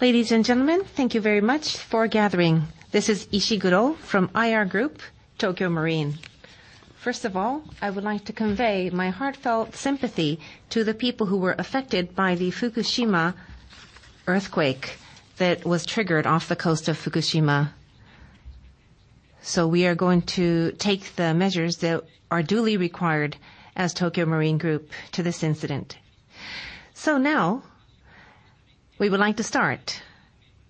Ladies and gentlemen, thank you very much for gathering. This is Ishiguro from IR Group, Tokio Marine. First of all, I would like to convey my heartfelt sympathy to the people who were affected by the Fukushima earthquake that was triggered off the coast of Fukushima. We are going to take the measures that are duly required as Tokio Marine Group to this incident. Now we would like to start.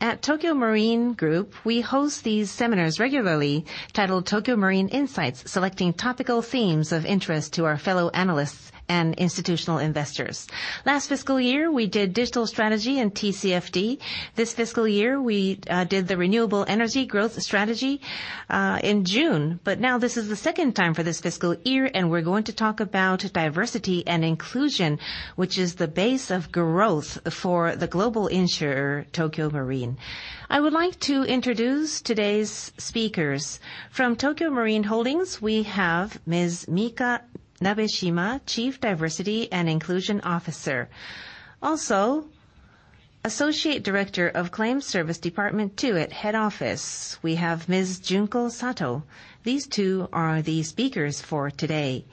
At Tokio Marine Group, we host these seminars regularly titled Tokio Marine Insights, selecting topical themes of interest to our fellow analysts and institutional investors. Last fiscal year, we did digital strategy and TCFD. This fiscal year, we did the renewable energy growth strategy in June. Now this is the second time for this fiscal year, and we are going to talk about Diversity and Inclusion, which is the base of growth for the global insurer, Tokio Marine. I would like to introduce today's speakers. From Tokio Marine Holdings, we have Ms. Mika Nabeshima, Chief Diversity and Inclusion Officer. Also, Associate Director of Claims Service Department 2 at Head Office, we have Ms. Junko Sato. These two are the speakers for today.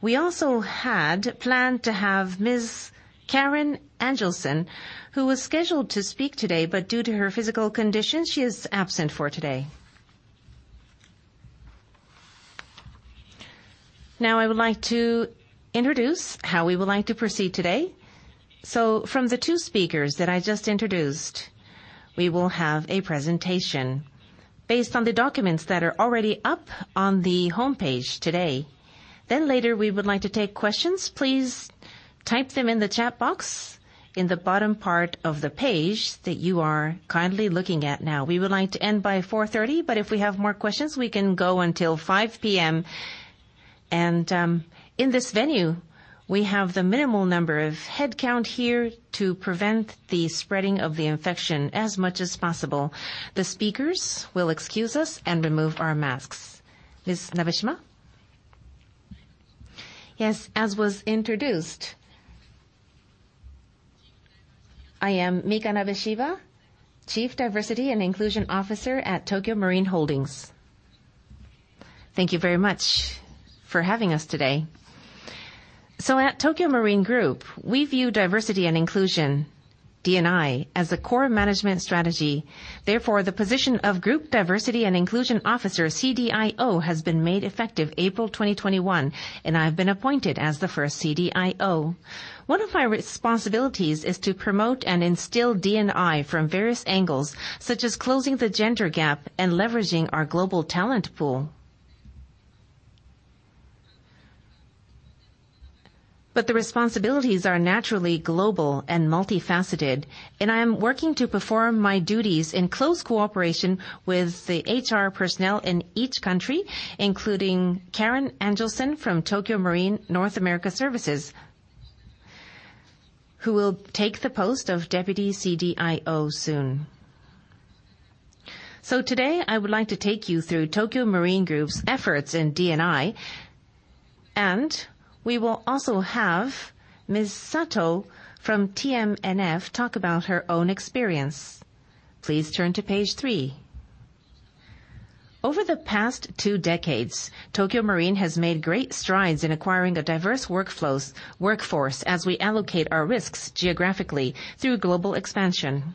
We also had planned to have Ms. Caryn Angelson, who was scheduled to speak today, but due to her physical condition, she is absent for today. I would like to introduce how we would like to proceed today. From the two speakers that I just introduced, we will have a presentation based on the documents that are already up on the homepage today. Later we would like to take questions. Please type them in the chat box in the bottom part of the page that you are kindly looking at now. We would like to end by 4:30 P.M., but if we have more questions, we can go until 5:00 P.M. In this venue, we have the minimal number of head count here to prevent the spreading of the infection as much as possible. The speakers will excuse us and remove our masks. Ms. Nabeshima? Yes, as was introduced, I am Mika Nabeshima, Chief Diversity and Inclusion Officer at Tokio Marine Holdings. Thank you very much for having us today. At Tokio Marine Group, we view Diversity and Inclusion, D&I, as a core management strategy. Therefore, the position of Group Diversity and Inclusion Officer, CDIO, has been made effective April 2021, and I've been appointed as the first CDIO. One of my responsibilities is to promote and instill D&I from various angles, such as closing the gender gap and leveraging our global talent pool. The responsibilities are naturally global and multifaceted, and I am working to perform my duties in close cooperation with the HR personnel in each country, including Caryn Angelson from Tokio Marine North America Services, who will take the post of Deputy CDIO soon. Today, I would like to take you through Tokio Marine Group's efforts in D&I, and we will also have Ms. Sato from TMNF talk about her own experience. Please turn to page three. Over the past two decades, Tokio Marine has made great strides in acquiring a diverse workforce as we allocate our risks geographically through global expansion.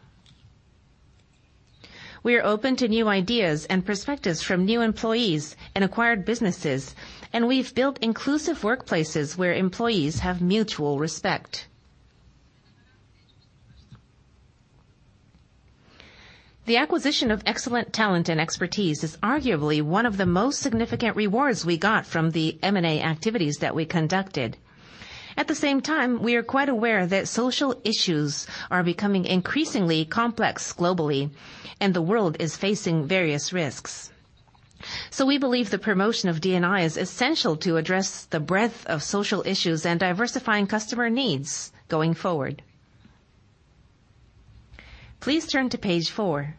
We are open to new ideas and perspectives from new employees and acquired businesses, and we've built inclusive workplaces where employees have mutual respect. The acquisition of excellent talent and expertise is arguably one of the most significant rewards we got from the M&A activities that we conducted. At the same time, we are quite aware that social issues are becoming increasingly complex globally and the world is facing various risks. We believe the promotion of D&I is essential to address the breadth of social issues and diversifying customer needs going forward. Please turn to page four.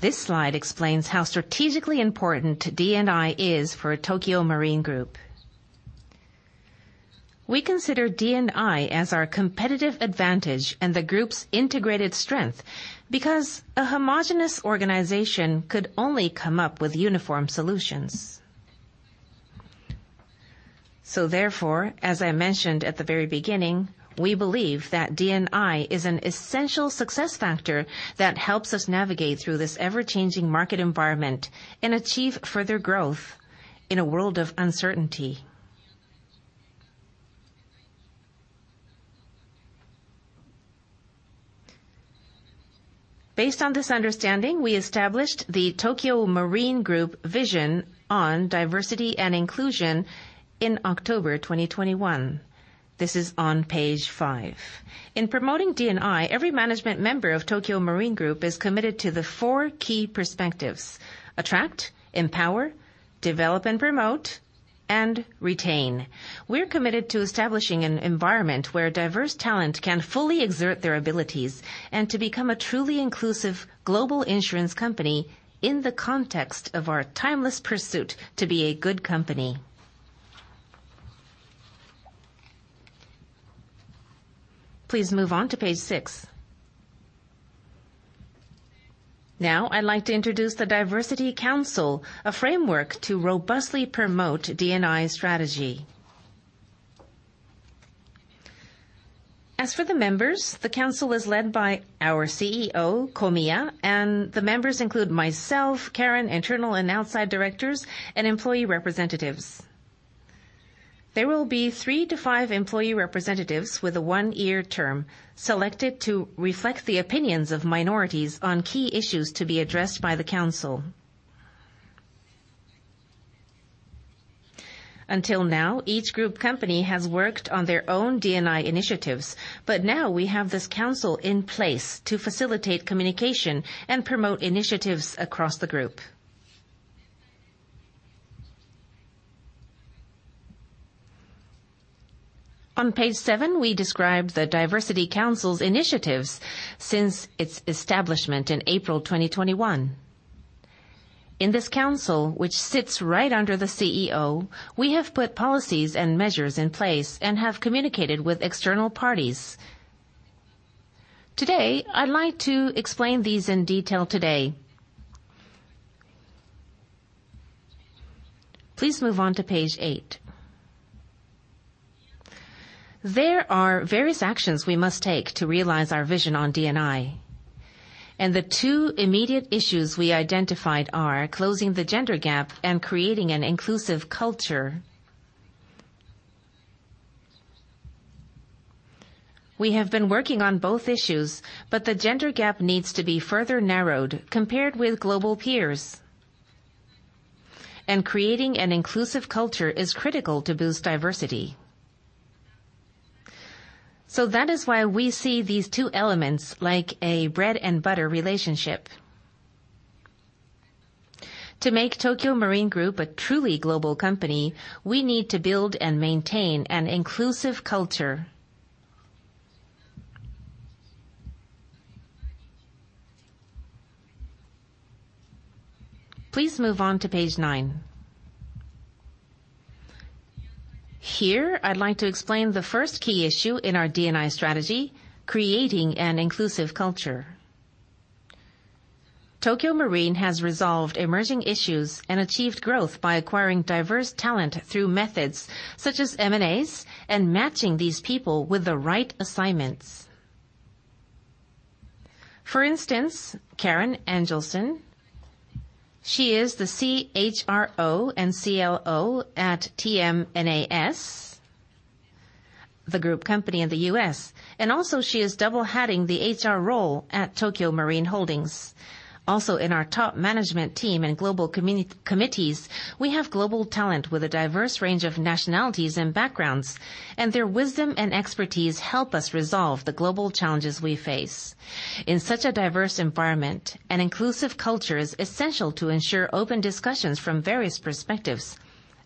This slide explains how strategically important D&I is for Tokio Marine Group. We consider D&I as our competitive advantage and the group's integrated strength because a homogenous organization could only come up with uniform solutions. Therefore, as I mentioned at the very beginning, we believe that D&I is an essential success factor that helps us navigate through this ever-changing market environment and achieve further growth in a world of uncertainty. Based on this understanding, we established the Tokio Marine Group vision on diversity and inclusion in October 2021. This is on page five. In promoting D&I, every management member of Tokio Marine Group is committed to the four key perspectives: attract, empower, develop and promote, and retain. We're committed to establishing an environment where diverse talent can fully exert their abilities and to become a truly inclusive global insurance company in the context of our timeless pursuit to be a good company. Please move on to page six. Now I'd like to introduce the Diversity Council, a framework to robustly promote D&I strategy. As for the members, the council is led by our CEO, Komiya, and the members include myself, Caryn, internal and outside directors, and employee representatives. There will be three to five employee representatives with a one-year term, selected to reflect the opinions of minorities on key issues to be addressed by the council. Until now, each group company has worked on their own D&I initiatives, but now we have this council in place to facilitate communication and promote initiatives across the group. On page seven, we describe the Diversity Council's initiatives since its establishment in April 2021. In this council, which sits right under the CEO, we have put policies and measures in place and have communicated with external parties. Today, I'd like to explain these in detail. Please move on to page eight. There are various actions we must take to realize our vision on D&I, and the two immediate issues we identified are closing the gender gap and creating an inclusive culture. We have been working on both issues, but the gender gap needs to be further narrowed compared with global peers. Creating an inclusive culture is critical to boost diversity. That is why we see these two elements like a bread and butter relationship. To make Tokio Marine Group a truly global company, we need to build and maintain an inclusive culture. Please move on to page nine. Here, I'd like to explain the first key issue in our D&I strategy, creating an inclusive culture. Tokio Marine has resolved emerging issues and achieved growth by acquiring diverse talent through methods such as M&As and matching these people with the right assignments. For instance, Caryn Angelson. She is the CHRO and CLO at TMNAS, the group company in the U.S., and also she is double-hatting the HR role at Tokio Marine Holdings. In our top management team and global committees, we have global talent with a diverse range of nationalities and backgrounds, and their wisdom and expertise help us resolve the global challenges we face. In such a diverse environment, an inclusive culture is essential to ensure open discussions from various perspectives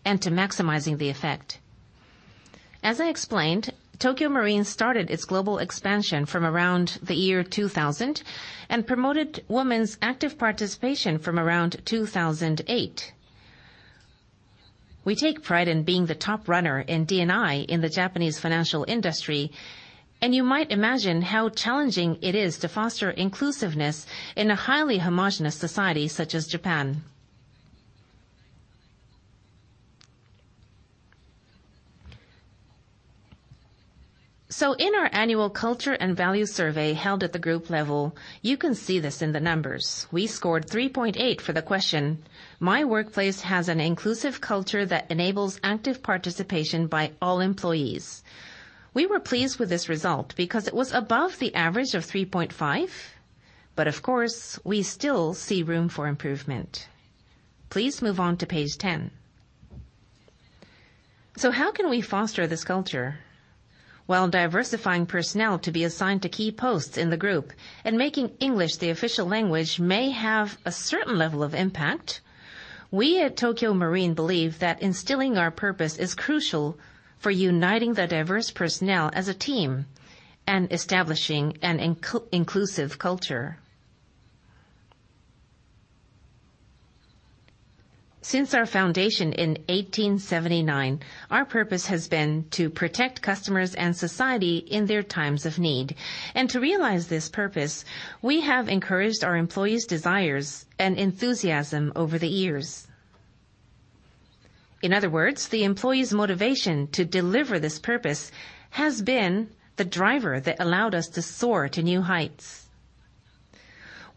and to maximizing the effect. As I explained, Tokio Marine started its global expansion from around the year 2000 and promoted women's active participation from around 2008. We take pride in being the top runner in D&I in the Japanese financial industry, and you might imagine how challenging it is to foster inclusiveness in a highly homogeneous society such as Japan. In our annual culture and value survey held at the group level, you can see this in the numbers. We scored 3.8 for the question: My workplace has an inclusive culture that enables active participation by all employees. We were pleased with this result because it was above the average of 3.5. Of course, we still see room for improvement. Please move on to page 10. How can we foster this culture? While diversifying personnel to be assigned to key posts in the group and making English the official language may have a certain level of impact, we at Tokio Marine believe that instilling our purpose is crucial for uniting the diverse personnel as a team and establishing an inclusive culture. Since our foundation in 1879, our purpose has been to protect customers and society in their times of need. To realize this purpose, we have encouraged our employees' desires and enthusiasm over the years. In other words, the employees' motivation to deliver this purpose has been the driver that allowed us to soar to new heights.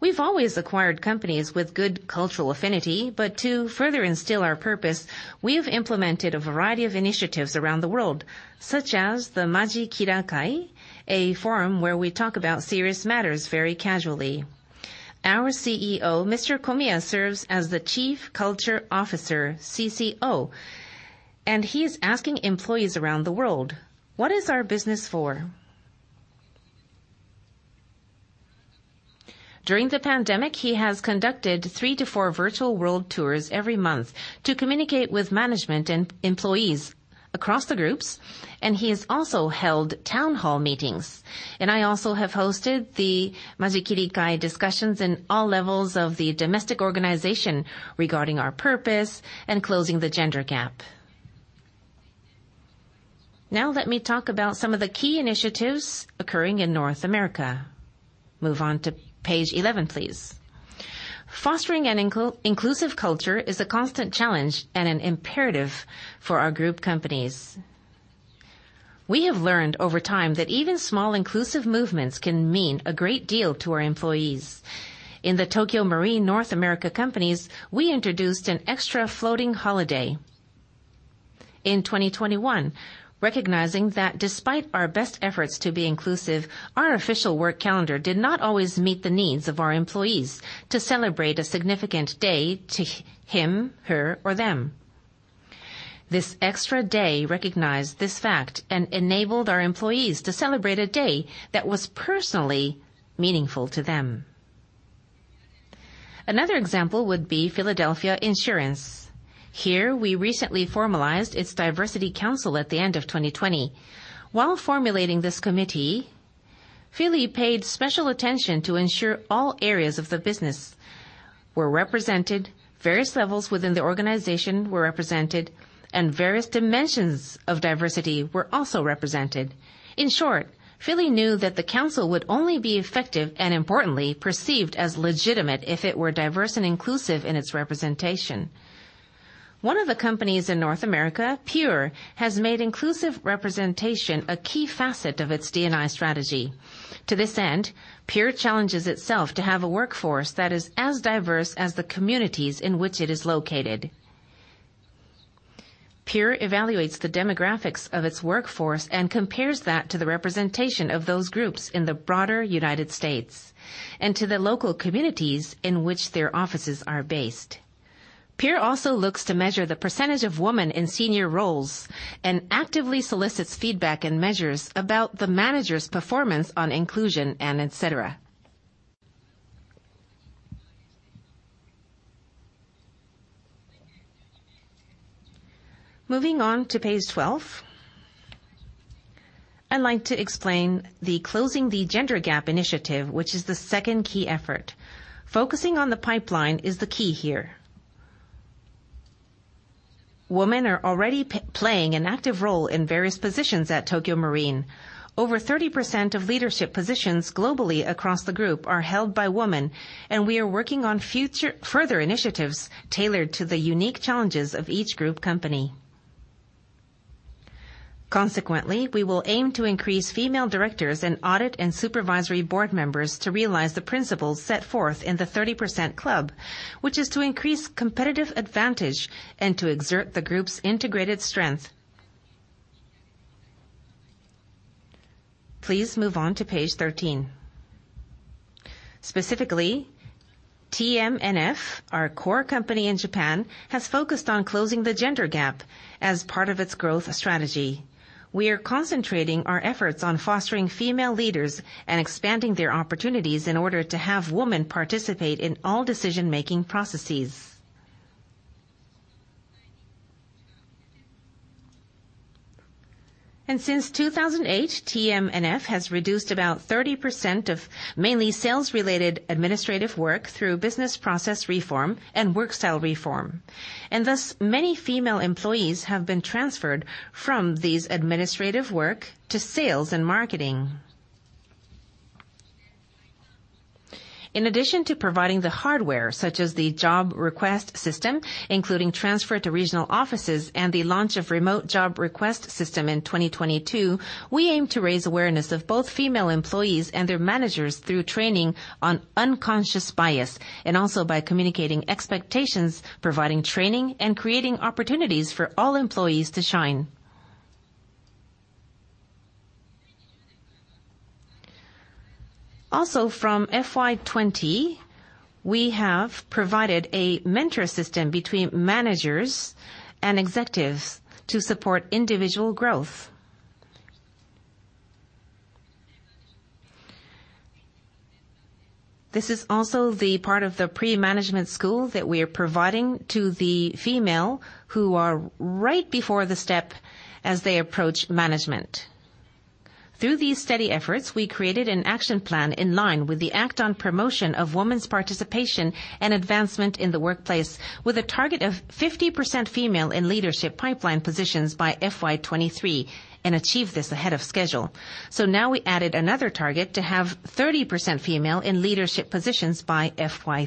We've always acquired companies with good cultural affinity, but to further instill our purpose, we've implemented a variety of initiatives around the world, such as the Majikira-kai, a forum where we talk about serious matters very casually. Our CEO, Mr. Komiya, serves as the Chief Culture Officer, CCO, and he is asking employees around the world, "What is our business for?" During the pandemic, he has conducted three to four virtual world tours every month to communicate with management and employees across the groups, and he has also held town hall meetings. I also have hosted the Majikira-kai discussions in all levels of the domestic organization regarding our purpose and closing the gender gap. Let me talk about some of the key initiatives occurring in North America. Move on to page 11, please. Fostering an inclusive culture is a constant challenge and an imperative for our group companies. We have learned over time that even small inclusive movements can mean a great deal to our employees. In the Tokio Marine North America companies, we introduced an extra floating holiday. In 2021, recognizing that despite our best efforts to be inclusive, our official work calendar did not always meet the needs of our employees to celebrate a significant day to him, her, or them. This extra day recognized this fact and enabled our employees to celebrate a day that was personally meaningful to them. Another example would be Philadelphia Insurance. Here, we recently formalized its Diversity Council at the end of 2020. While formulating this committee, Philly paid special attention to ensure all areas of the business were represented, various levels within the organization were represented, and various dimensions of diversity were also represented. In short, Philly knew that the council would only be effective, and importantly, perceived as legitimate if it were diverse and inclusive in its representation. One of the companies in North America, Pure, has made inclusive representation a key facet of its D&I strategy. To this end, Pure challenges itself to have a workforce that is as diverse as the communities in which it is located. Pure evaluates the demographics of its workforce and compares that to the representation of those groups in the broader United States and to the local communities in which their offices are based. Pure also looks to measure the percentage of women in senior roles and actively solicits feedback and measures about the manager's performance on inclusion, et cetera. Moving on to page 12. I'd like to explain the Closing the Gender Gap initiative, which is the second key effort. Focusing on the pipeline is the key here. Women are already playing an active role in various positions at Tokio Marine. Over 30% of leadership positions globally across the group are held by women, and we are working on further initiatives tailored to the unique challenges of each group company. Consequently, we will aim to increase female directors and audit and supervisory board members to realize the principles set forth in the 30% Club, which is to increase competitive advantage and to exert the group's integrated strength. Please move on to page 13. Specifically, TMNF, our core company in Japan, has focused on closing the gender gap as part of its growth strategy. We are concentrating our efforts on fostering female leaders and expanding their opportunities in order to have women participate in all decision-making processes. Since 2008, TMNF has reduced about 30% of mainly sales-related administrative work through business process reform and work style reform, and thus, many female employees have been transferred from these administrative work to sales and marketing. In addition to providing the hardware, such as the job request system, including transfer to regional offices and the launch of remote job request system in 2022, we aim to raise awareness of both female employees and their managers through training on unconscious bias and also by communicating expectations, providing training, and creating opportunities for all employees to shine. From FY 2020, we have provided a mentor system between managers and executives to support individual growth. This is also the part of the pre-management school that we are providing to the female who are right before the step as they approach management. Through these steady efforts, we created an action plan in line with the Act on Promotion of Women's Participation and Advancement in the Workplace with a target of 50% female in leadership pipeline positions by FY 2023 and achieve this ahead of schedule. Now we added another target to have 30% female in leadership positions by FY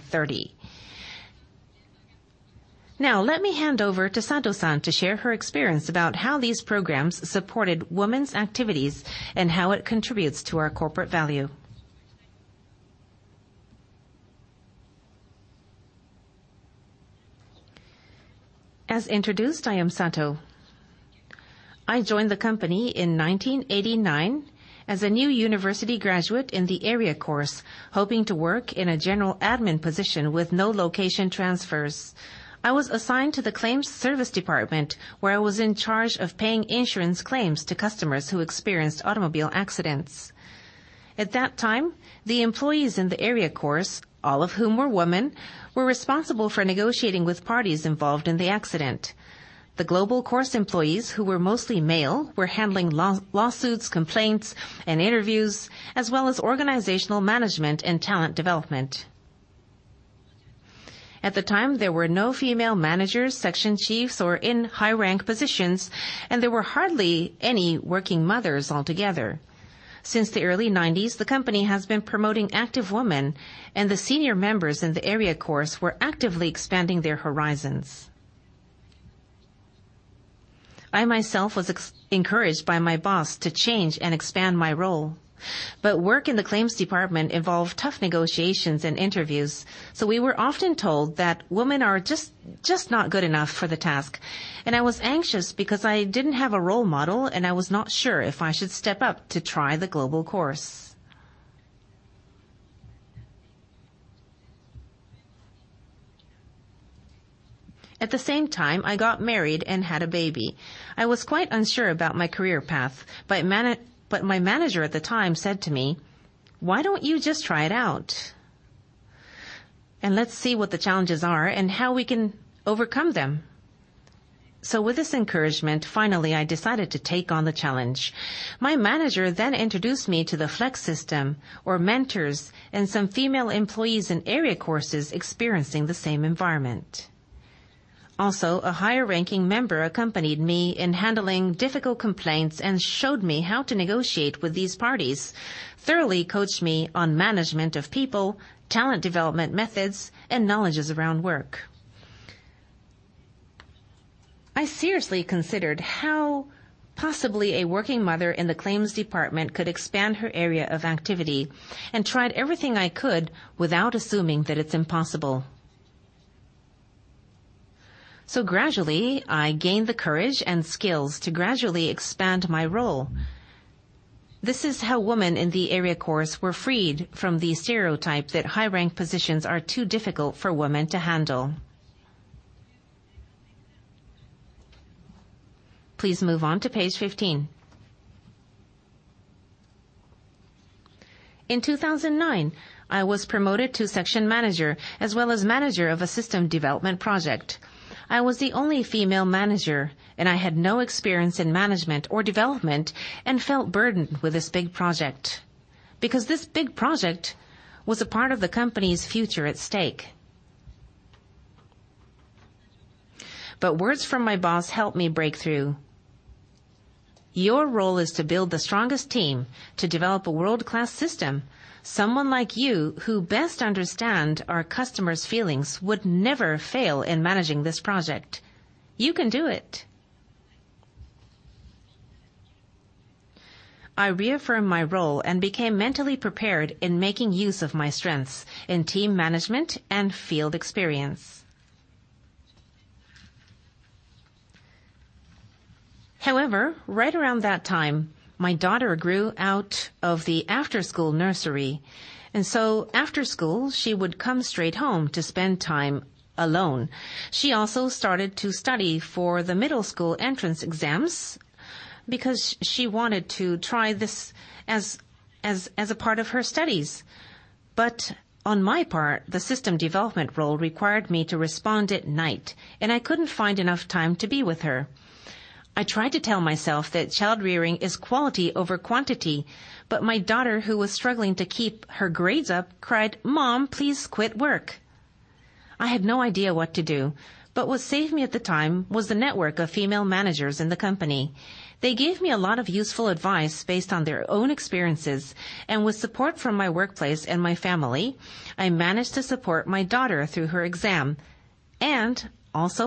2030. Let me hand over to Sato-san to share her experience about how these programs supported women's activities and how it contributes to our corporate value. As introduced, I am Sato. I joined the company in 1989 as a new university graduate in the area course, hoping to work in a general admin position with no location transfers. I was assigned to the claims service department, where I was in charge of paying insurance claims to customers who experienced automobile accidents. At that time, the employees in the area course, all of whom were women, were responsible for negotiating with parties involved in the accident. The global course employees, who were mostly male, were handling lawsuits, complaints, and interviews, as well as organizational management and talent development. At the time, there were no female managers, section chiefs, or in high-rank positions, and there were hardly any working mothers altogether. Since the early '90s, the company has been promoting active women, and the senior members in the area course were actively expanding their horizons. I myself was encouraged by my boss to change and expand my role. Work in the claims department involved tough negotiations and interviews. We were often told that women are just not good enough for the task. I was anxious because I didn't have a role model, and I was not sure if I should step up to try the global course. At the same time, I got married and had a baby. I was quite unsure about my career path, my manager at the time said to me, "Why don't you just try it out? Let's see what the challenges are and how we can overcome them." With this encouragement, finally I decided to take on the challenge. My manager introduced me to the flex system or mentors and some female employees in area courses experiencing the same environment. Also, a higher-ranking member accompanied me in handling difficult complaints and showed me how to negotiate with these parties, thoroughly coached me on management of people, talent development methods, and knowledge around work. I seriously considered how possibly a working mother in the claims department could expand her area of activity and tried everything I could without assuming that it's impossible. Gradually, I gained the courage and skills to gradually expand my role. This is how women in the area course were freed from the stereotype that high-rank positions are too difficult for women to handle. Please move on to page 15. In 2009, I was promoted to section manager as well as manager of a system development project. I was the only female manager, and I had no experience in management or development and felt burdened with this big project. Because this big project was a part of the company's future at stake. Words from my boss helped me break through. "Your role is to build the strongest team to develop a world-class system. Someone like you who best understand our customers' feelings would never fail in managing this project. You can do it." I reaffirmed my role and became mentally prepared in making use of my strengths in team management and field experience. Right around that time, my daughter grew out of the after-school nursery, and so after school, she would come straight home to spend time alone. She also started to study for the middle school entrance exams because she wanted to try this as a part of her studies. On my part, the system development role required me to respond at night, and I couldn't find enough time to be with her. I tried to tell myself that child rearing is quality over quantity, but my daughter, who was struggling to keep her grades up, cried, "Mom, please quit work." I had no idea what to do, but what saved me at the time was the network of female managers in the company. They gave me a lot of useful advice based on their own experiences. With support from my workplace and my family, I managed to support my daughter through her exam.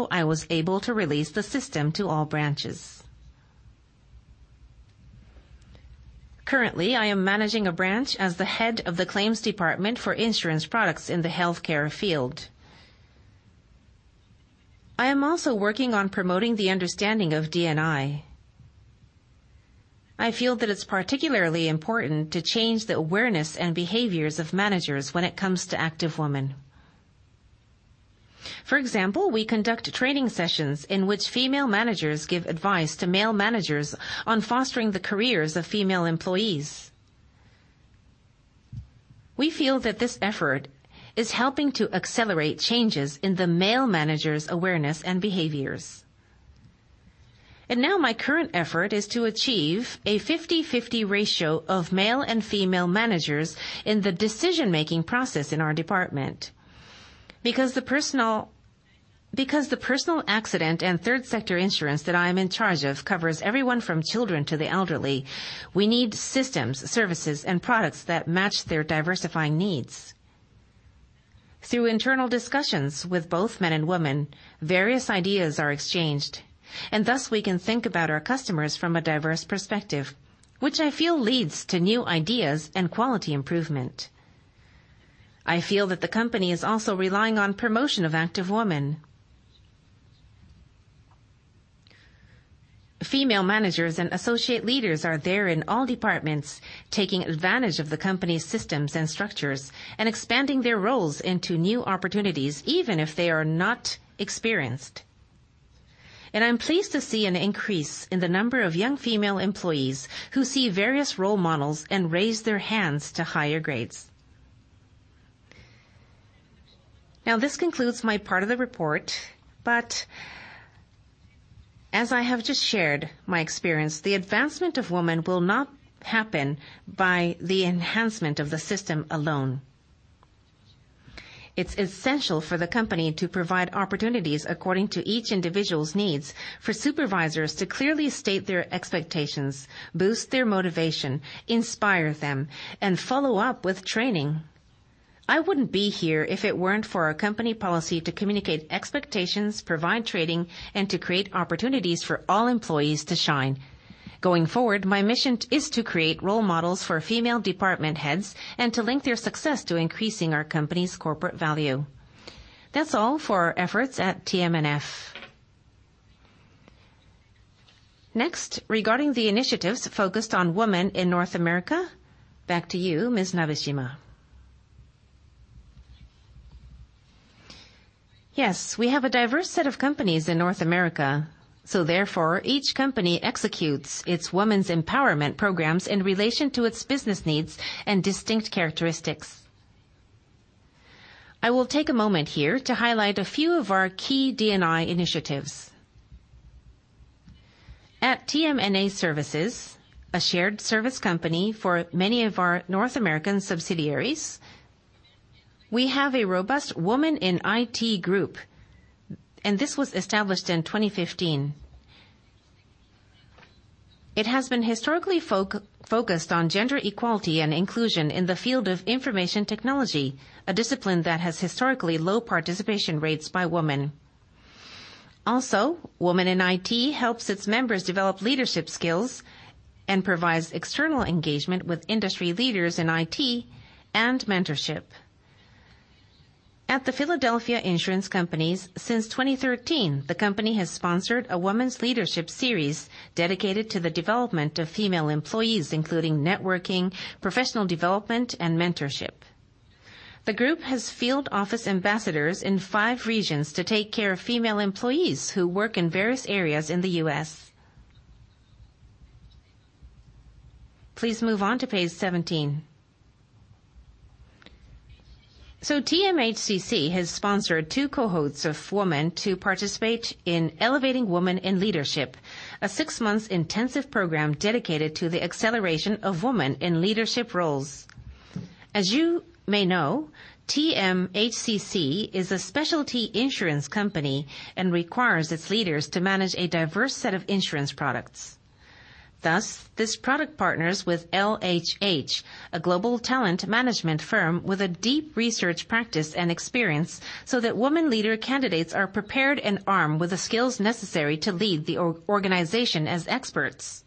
I was able to release the system to all branches. Currently, I am managing a branch as the head of the claims department for insurance products in the healthcare field. I am also working on promoting the understanding of D&I. I feel that it's particularly important to change the awareness and behaviors of managers when it comes to active women. For example, we conduct training sessions in which female managers give advice to male managers on fostering the careers of female employees. We feel that this effort is helping to accelerate changes in the male managers' awareness and behaviors. My current effort is to achieve a 50/50 ratio of male and female managers in the decision-making process in our department. Because the personal accident insurance and third-sector insurance that I am in charge of covers everyone from children to the elderly, we need systems, services, and products that match their diversifying needs. Through internal discussions with both men and women, various ideas are exchanged, and thus we can think about our customers from a diverse perspective, which I feel leads to new ideas and quality improvement. I feel that the company is also relying on promotion of active women. Female managers and associate leaders are there in all departments, taking advantage of the company's systems and structures and expanding their roles into new opportunities, even if they are not experienced. I'm pleased to see an increase in the number of young female employees who see various role models and raise their hands to higher grades. This concludes my part of the report, I have just shared my experience, the advancement of women will not happen by the enhancement of the system alone. It's essential for the company to provide opportunities according to each individual's needs, for supervisors to clearly state their expectations, boost their motivation, inspire them, and follow up with training. I wouldn't be here if it weren't for our company policy to communicate expectations, provide training, and to create opportunities for all employees to shine. Going forward, my mission is to create role models for female department heads and to link their success to increasing our company's corporate value. That's all for our efforts at TMNF. Next, regarding the initiatives focused on women in North America, back to you, Ms. Nabeshima. Yes. We have a diverse set of companies in North America, therefore, each company executes its women's empowerment programs in relation to its business needs and distinct characteristics. I will take a moment here to highlight a few of our key D&I initiatives. At TMNA Services, a shared service company for many of our North American subsidiaries, we have a robust Women in IT group, this was established in 2015. It has been historically focused on gender equality and inclusion in the field of information technology, a discipline that has historically low participation rates by women. Women in IT helps its members develop leadership skills and provides external engagement with industry leaders in IT and mentorship. At the Philadelphia Insurance Companies, since 2013, the company has sponsored a women's leadership series dedicated to the development of female employees, including networking, professional development, and mentorship. The group has field office ambassadors in five regions to take care of female employees who work in various areas in the U.S. Please move on to page 17. TMHCC has sponsored two cohorts of women to participate in Elevating Women in Leadership, a six months intensive program dedicated to the acceleration of women in leadership roles. As you may know, TMHCC is a specialty insurance company and requires its leaders to manage a diverse set of insurance products. This product partners with LHH, a global talent management firm with a deep research practice and experience so that woman leader candidates are prepared and armed with the skills necessary to lead the organization as experts.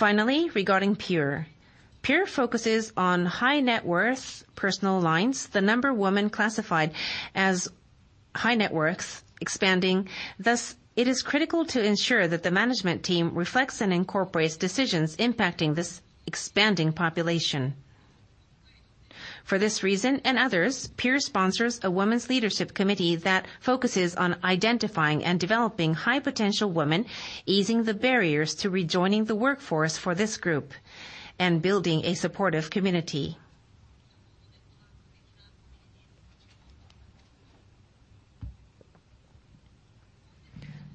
Regarding PURE. PURE focuses on high net worth personal lines, the number women classified as high net worth expanding. It is critical to ensure that the management team reflects and incorporates decisions impacting this expanding population. For this reason and others, PURE sponsors a women's leadership committee that focuses on identifying and developing high potential women, easing the barriers to rejoining the workforce for this group, and building a supportive community.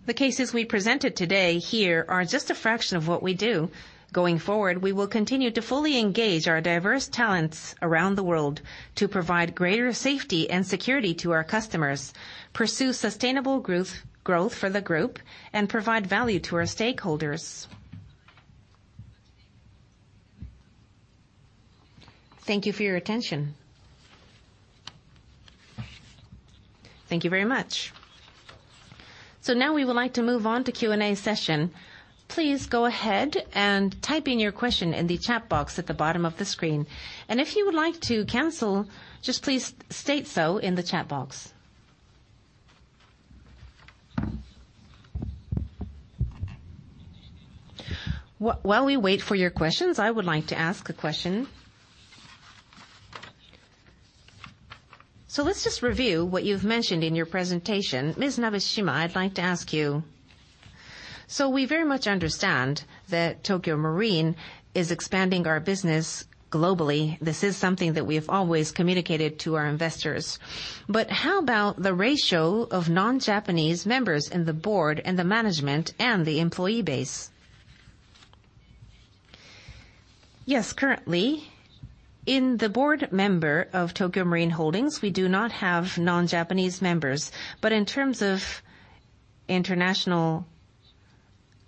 The cases we presented today here are just a fraction of what we do. Going forward, we will continue to fully engage our diverse talents around the world to provide greater safety and security to our customers, pursue sustainable growth for the group, and provide value to our stakeholders. Thank you for your attention. Thank you very much. Now we would like to move on to Q&A session. Please go ahead and type in your question in the chat box at the bottom of the screen. If you would like to cancel, just please state so in the chat box. While we wait for your questions, I would like to ask a question. Let's just review what you've mentioned in your presentation. Ms. Nabeshima, I'd like to ask you. We very much understand that Tokio Marine is expanding our business globally. This is something that we have always communicated to our investors. How about the ratio of non-Japanese members in the board and the management and the employee base? Yes. Currently, in the board member of Tokio Marine Holdings, we do not have non-Japanese members. In terms of international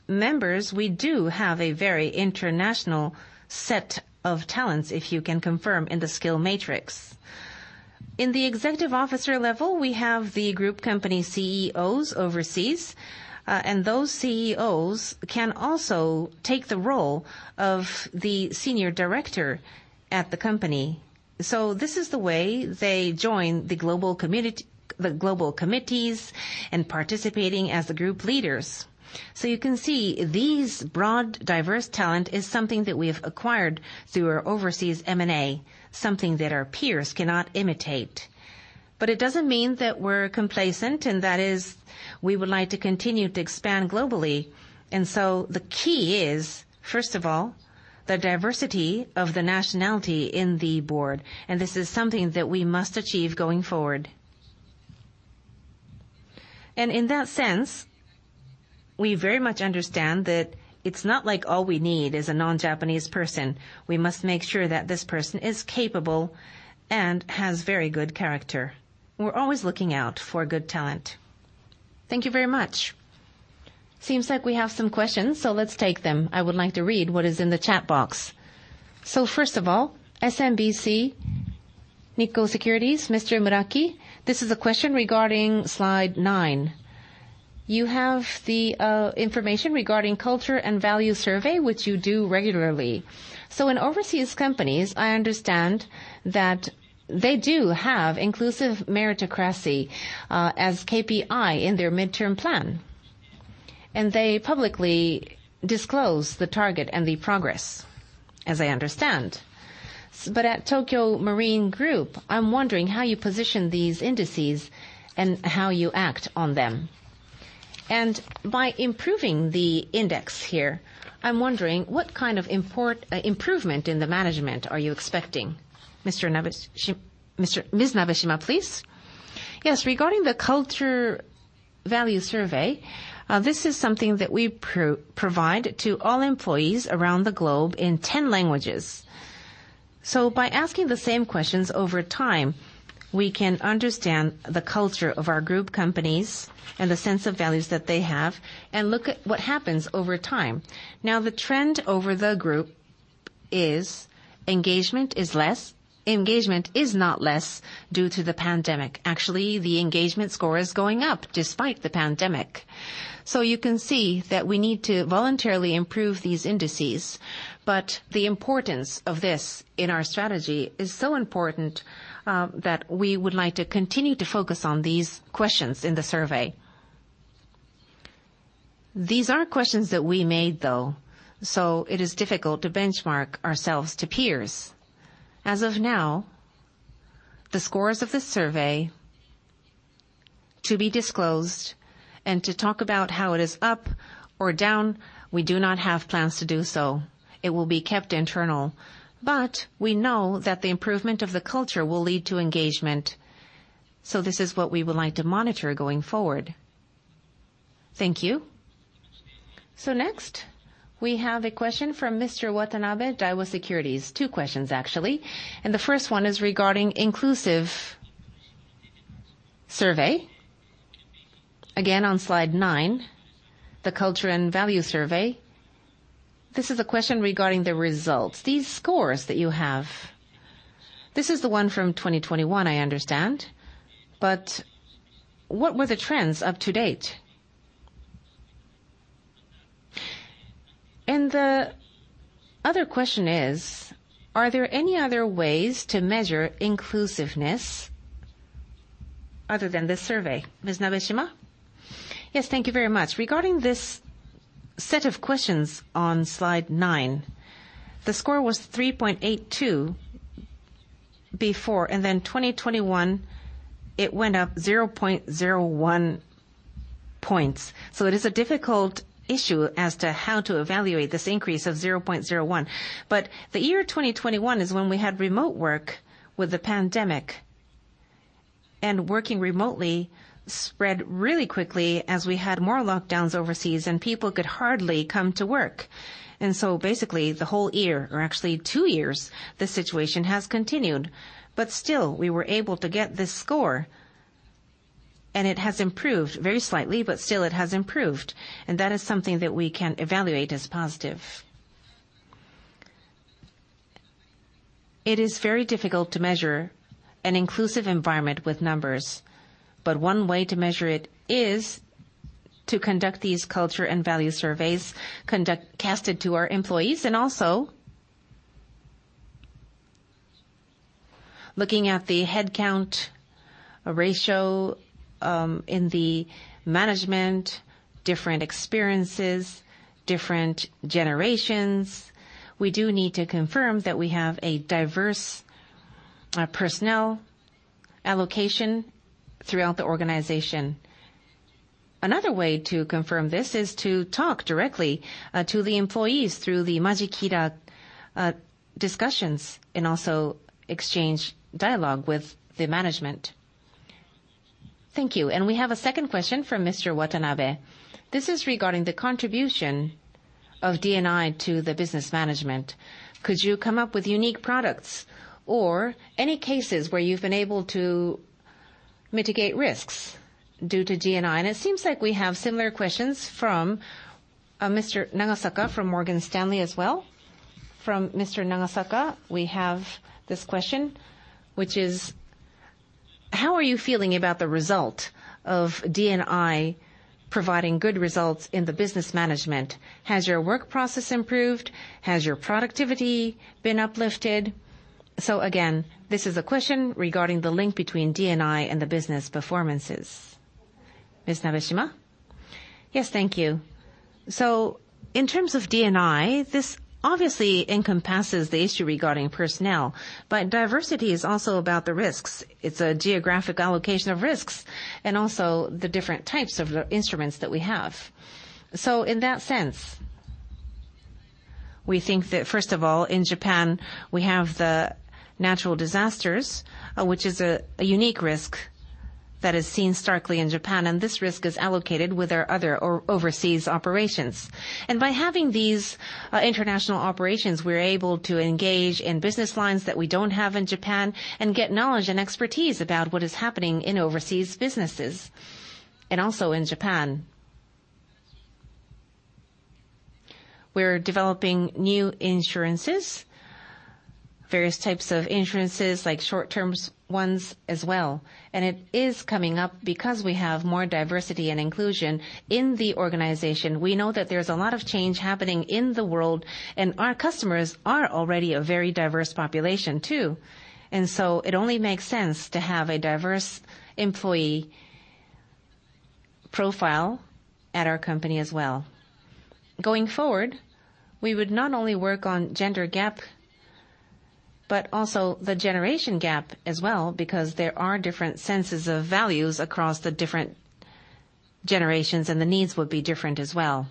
members, we do have a very international set of talents, if you can confirm in the skill matrix. In the executive officer level, we have the group company CEOs overseas, and those CEOs can also take the role of the senior director at the company. This is the way they join the global committees and participating as the group leaders. You can see these broad, diverse talent is something that we have acquired through our overseas M&A, something that our peers cannot imitate. It doesn't mean that we're complacent, and that is We would like to continue to expand globally. The key is, first of all, the diversity of the nationality in the board, this is something that we must achieve going forward. In that sense, we very much understand that it's not like all we need is a non-Japanese person. We must make sure that this person is capable and has very good character. We're always looking out for good talent. Thank you very much. Seems like we have some questions, let's take them. I would like to read what is in the chat box. First of all, SMBC Nikko Securities, Mr. Muraki. This is a question regarding slide nine. You have the information regarding culture and value survey, which you do regularly. In overseas companies, I understand that they do have inclusive meritocracy as KPI in their midterm plan, and they publicly disclose the target and the progress, as I understand. At Tokio Marine Group, I'm wondering how you position these indices and how you act on them. By improving the index here, I'm wondering what kind of improvement in the management are you expecting? Ms. Nabeshima, please. Yes. Regarding the culture and value survey, this is something that we provide to all employees around the globe in 10 languages. By asking the same questions over time, we can understand the culture of our group companies and the sense of values that they have and look at what happens over time. The trend over the group is engagement is not less due to the pandemic. Actually, the engagement score is going up despite the pandemic. You can see that we need to voluntarily improve these indices, the importance of this in our strategy is so important that we would like to continue to focus on these questions in the survey. These are questions that we made though, it is difficult to benchmark ourselves to peers. As of now, the scores of the survey to be disclosed and to talk about how it is up or down, we do not have plans to do so. It will be kept internal. We know that the improvement of the culture will lead to engagement, this is what we would like to monitor going forward. Thank you. Next, we have a question from Mr. Watanabe, Daiwa Securities. Two questions, actually, the first one is regarding inclusive survey. Again, on slide nine, the culture and value survey. This is a question regarding the results. These scores that you have, this is the one from 2021, I understand, what were the trends up to date? The other question is: are there any other ways to measure inclusiveness other than this survey? Ms. Nabeshima? Yes. Thank you very much. Regarding this set of questions on slide nine, the score was 3.82 before, then 2021 it went up 0.01 points. It is a difficult issue as to how to evaluate this increase of 0.01. The year 2021 is when we had remote work with the pandemic, and working remotely spread really quickly as we had more lockdowns overseas and people could hardly come to work. Basically the whole year, or actually two years, the situation has continued, but still, we were able to get this score, and it has improved. Very slightly, but still it has improved, and that is something that we can evaluate as positive. It is very difficult to measure an inclusive environment with numbers, but one way to measure it is to cast these Culture and Value Surveys to our employees. Looking at the headcount ratio in the management, different experiences, different generations. We do need to confirm that we have a diverse personnel allocation throughout the organization. Another way to confirm this is to talk directly to the employees through the Majikira-kai and also exchange dialogue with the management. Thank you. We have a second question from Mr. Kazuki. This is regarding the contribution of D&I to the business management. Could you come up with unique products or any cases where you've been able to mitigate risks due to D&I? It seems like we have similar questions from Ms. Mia from Morgan Stanley as well. From Ms. Mia, we have this question, which is: how are you feeling about the result of D&I providing good results in the business management? Has your work process improved? Has your productivity been uplifted? Again, this is a question regarding the link between D&I and the business performances. Ms. Nabeshima? Yes. Thank you. In terms of D&I, this obviously encompasses the issue regarding personnel, but diversity is also about the risks. It's a geographic allocation of risks, and also the different types of instruments that we have. In that sense, we think that first of all, in Japan, we have the natural disasters, which is a unique risk that is seen starkly in Japan, and this risk is allocated with our other overseas operations. By having these international operations, we're able to engage in business lines that we don't have in Japan and get knowledge and expertise about what is happening in overseas businesses. In Japan, we're developing new insurances, various types of insurances, like short-term ones as well, and it is coming up because we have more diversity and inclusion in the organization. We know that there's a lot of change happening in the world, and our customers are already a very diverse population too. It only makes sense to have a diverse employee profile at our company as well. Going forward, we would not only work on gender gap, but also the generation gap as well, because there are different senses of values across the different generations, and the needs would be different as well.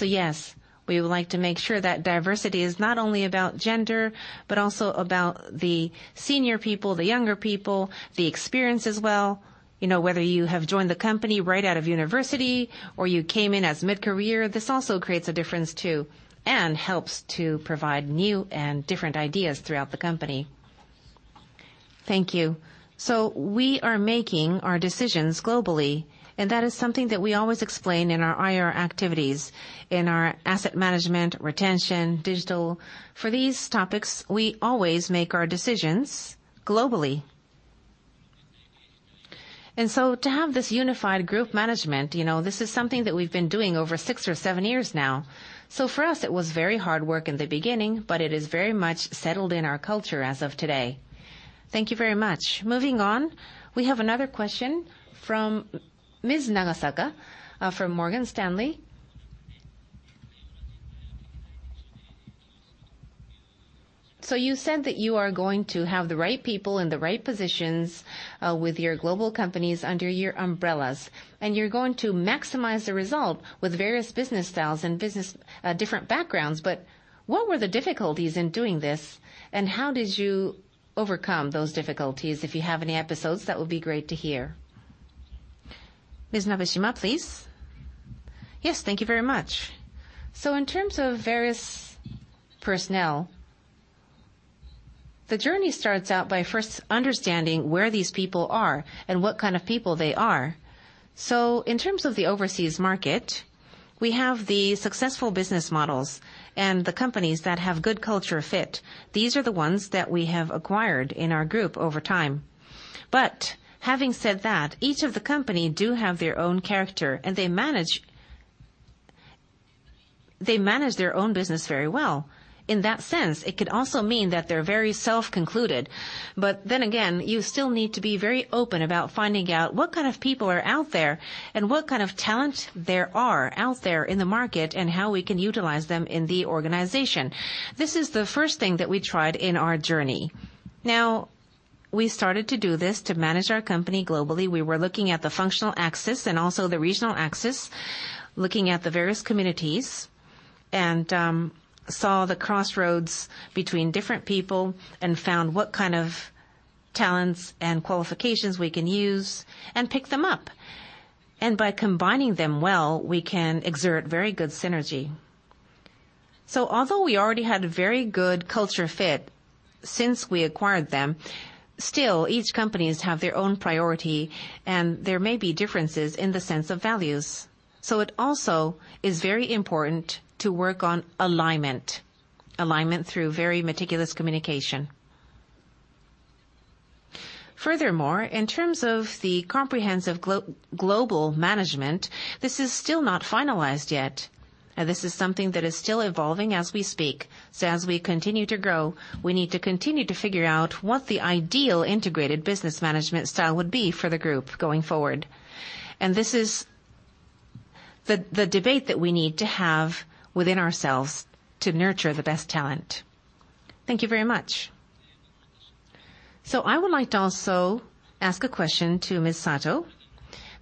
Yes, we would like to make sure that diversity is not only about gender, but also about the senior people, the younger people, the experience as well. Whether you have joined the company right out of university or you came in as mid-career, this also creates a difference too and helps to provide new and different ideas throughout the company. Thank you. We are making our decisions globally, and that is something that we always explain in our IR activities, in our asset management, retention, digital. For these topics, we always make our decisions globally. To have this unified group management, this is something that we've been doing over 6 or 7 years now. For us, it was very hard work in the beginning, but it is very much settled in our culture as of today. Thank you very much. Moving on, we have another question from Ms. Nagasaka from Morgan Stanley. You said that you are going to have the right people in the right positions, with your global companies under your umbrellas, and you're going to maximize the result with various business styles and different backgrounds. What were the difficulties in doing this, and how did you overcome those difficulties? If you have any episodes, that would be great to hear. Ms. Nabeshima, please. Yes. Thank you very much. In terms of various personnel, the journey starts out by first understanding where these people are and what kind of people they are. In terms of the overseas market, we have the successful business models and the companies that have good culture fit. These are the ones that we have acquired in our group over time. Having said that, each of the company do have their own character, and they manage their own business very well. In that sense, it could also mean that they're very self-concluded. Again, you still need to be very open about finding out what kind of people are out there and what kind of talent there are out there in the market, and how we can utilize them in the organization. This is the first thing that we tried in our journey. We started to do this to manage our company globally. We were looking at the functional axis and also the regional axis, looking at the various communities, and saw the crossroads between different people and found what kind of talents and qualifications we can use and pick them up. By combining them well, we can exert very good synergy. Although we already had a very good culture fit since we acquired them, still each companies have their own priority and there may be differences in the sense of values. It also is very important to work on alignment. Alignment through very meticulous communication. Furthermore, in terms of the comprehensive global management, this is still not finalized yet. This is something that is still evolving as we speak. As we continue to grow, we need to continue to figure out what the ideal integrated business management style would be for the group going forward. This is the debate that we need to have within ourselves to nurture the best talent. Thank you very much. I would like to also ask a question to Ms. Sato.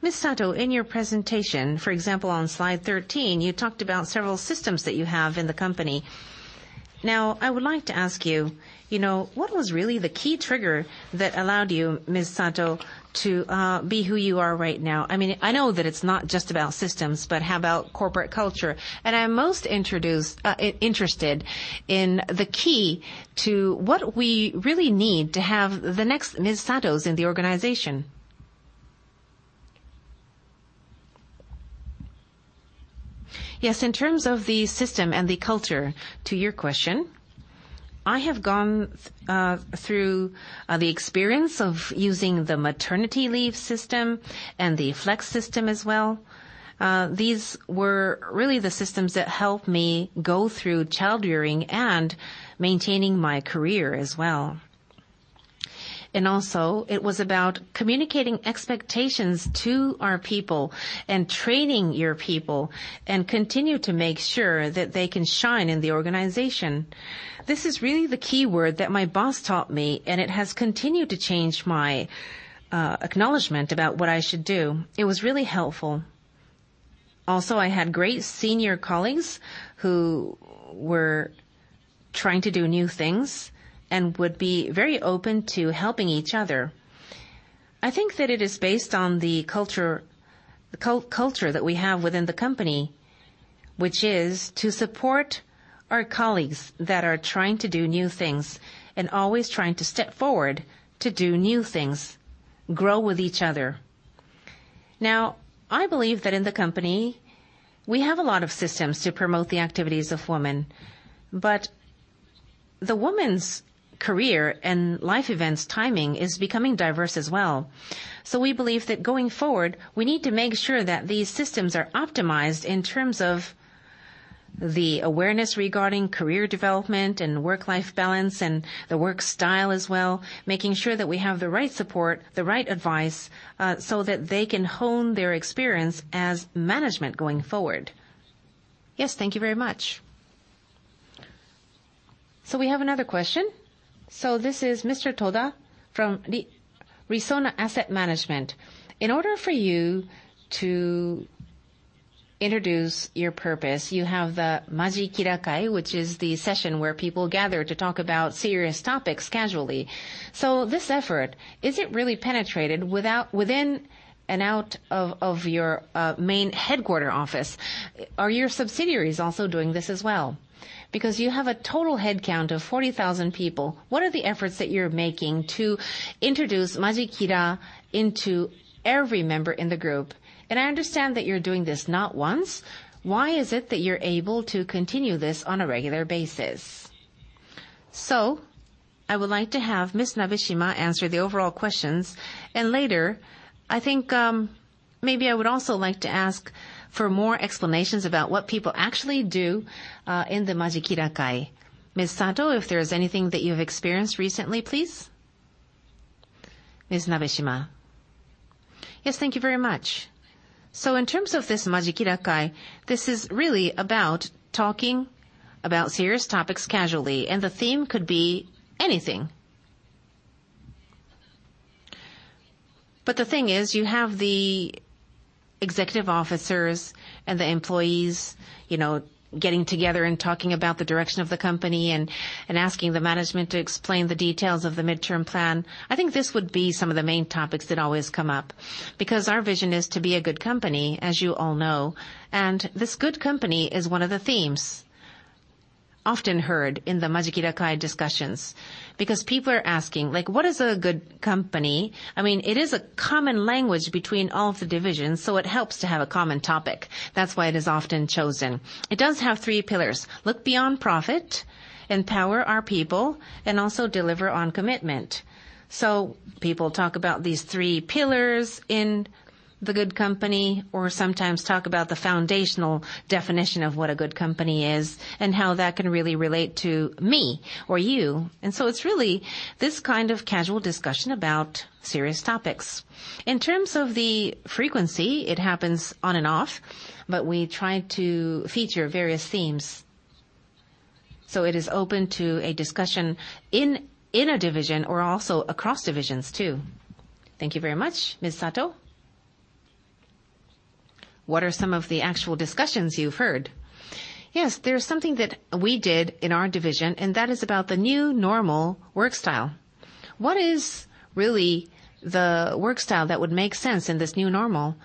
Ms. Sato, in your presentation, for example, on slide 13, you talked about several systems that you have in the company. I would like to ask you, what was really the key trigger that allowed you, Ms. Sato, to be who you are right now? I know that it's not just about systems, but how about corporate culture? I'm most interested in the key to what we really need to have the next Ms. Satos in the organization. Yes. In terms of the system and the culture, to your question, I have gone through the experience of using the maternity leave system and the flex system as well. These were really the systems that helped me go through child-rearing and maintaining my career as well. it was about communicating expectations to our people and training your people and continue to make sure that they can shine in the organization. This is really the key word that my boss taught me, and it has continued to change my acknowledgment about what I should do. It was really helpful. I had great senior colleagues who were trying to do new things and would be very open to helping each other. I think that it is based on the culture that we have within the company, which is to support our colleagues that are trying to do new things and always trying to step forward to do new things, grow with each other. I believe that in the company, we have a lot of systems to promote the activities of women. The woman's career and life events timing is becoming diverse as well. We believe that going forward, we need to make sure that these systems are optimized in terms of the awareness regarding career development and work-life balance and the work style as well, making sure that we have the right support, the right advice, so that they can hone their experience as management going forward. Yes. Thank you very much. We have another question. This is Mr. Toda from Resona Asset Management. In order for you to introduce your purpose, you have the Majikira-kai, which is the session where people gather to talk about serious topics casually. This effort, is it really penetrated within and out of your main headquarter office? Are your subsidiaries also doing this as well? Because you have a total head count of 40,000 people. What are the efforts that you're making to introduce Majikira-kai into every member in the group? I understand that you're doing this not once. Why is it that you're able to continue this on a regular basis? I would like to have Ms. Nabeshima answer the overall questions. Later, I think maybe I would also like to ask for more explanations about what people actually do in the Majikira-kai. Ms. Sato, if there is anything that you've experienced recently, please. Ms. Nabeshima. Yes. Thank you very much. In terms of this Majikira-kai, this is really about talking about serious topics casually, and the theme could be anything. The thing is, you have the executive officers and the employees getting together and talking about the direction of the company and asking the management to explain the details of the midterm plan. I think this would be some of the main topics that always come up because our vision is to be a good company, as you all know. This good company is one of the themes often heard in the Majikira-kai discussions because people are asking, "What is a good company?" It is a common language between all of the divisions, so it helps to have a common topic. That's why it is often chosen. It does have three pillars. Look beyond profit, empower our people, and also deliver on commitment. People talk about these three pillars in the good company or sometimes talk about the foundational definition of what a good company is and how that can really relate to me or you. It's really this kind of casual discussion about serious topics. In terms of the frequency, it happens on and off, but we try to feature various themes. It is open to a discussion in a division or also across divisions, too. Thank you very much. Ms. Sato, what are some of the actual discussions you've heard? Yes. There's something that we did in our division, that is about the new normal work style. What is really the work style that would make sense in this new normal?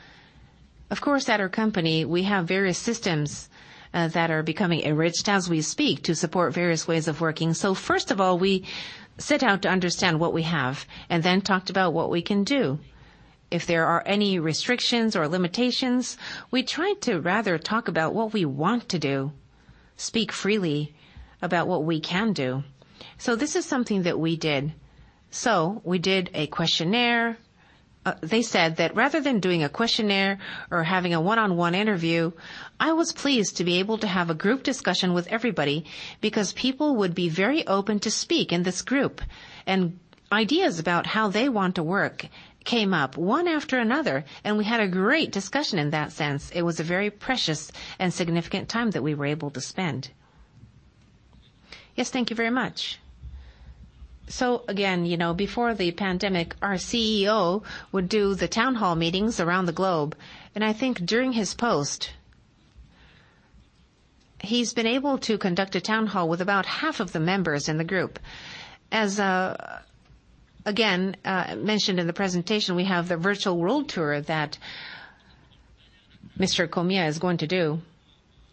Of course, at our company, we have various systems that are becoming enriched as we speak to support various ways of working. First of all, we set out to understand what we have and then talked about what we can do. If there are any restrictions or limitations, we try to rather talk about what we want to do, speak freely about what we can do. This is something that we did. We did a questionnaire. They said that rather than doing a questionnaire or having a one-on-one interview, I was pleased to be able to have a group discussion with everybody because people would be very open to speak in this group. Ideas about how they want to work came up one after another, and we had a great discussion in that sense. It was a very precious and significant time that we were able to spend. Yes. Thank you very much. Again, before the pandemic, our CEO would do the town hall meetings around the globe, and I think during his post, he's been able to conduct a town hall with about half of the members in the group. As, again, mentioned in the presentation, we have the virtual world tour that Mr. Komiya is going to do.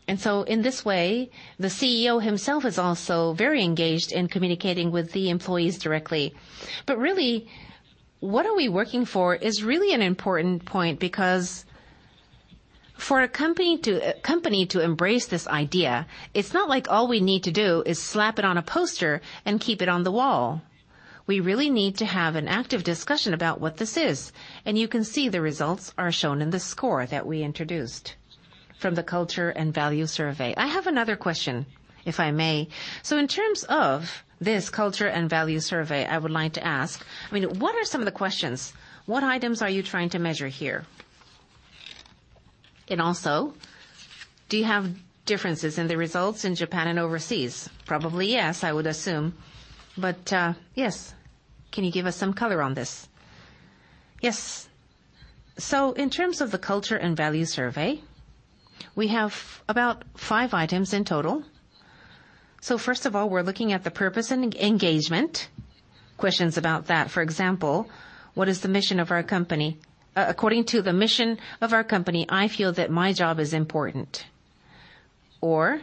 In this way, the CEO himself is also very engaged in communicating with the employees directly. Really, what are we working for is really an important point because for a company to embrace this idea, it's not like all we need to do is slap it on a poster and keep it on the wall. We really need to have an active discussion about what this is, and you can see the results are shown in the score that we introduced from the culture and value survey. I have another question, if I may. In terms of this culture and value survey, I would like to ask, what are some of the questions? What items are you trying to measure here? Also, do you have differences in the results in Japan and overseas? Probably yes, I would assume. Yes, can you give us some color on this? Yes. In terms of the culture and value survey, we have about five items in total. First of all, we're looking at the purpose and engagement, questions about that. For example, what is the mission of our company? According to the mission of our company, I feel that my job is important, or